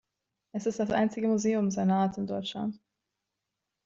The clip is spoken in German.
Es ist das einzige Museum seiner Art in Deutschland.